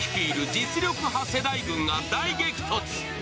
実力派世代軍が大激突。